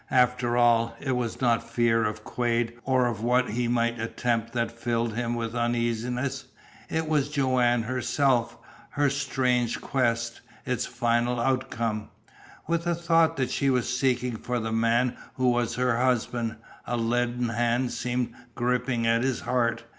After all, it was not fear of Quade or of what he might attempt that filled him with uneasiness. It was Joanne herself, her strange quest, its final outcome. With the thought that she was seeking for the man who was her husband, a leaden hand seemed gripping at his heart.